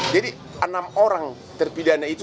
jadi enam orang terpidana itu